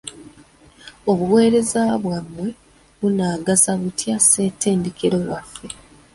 Obuwereza bwamwe bunaagasa butya ssetendekero waffe?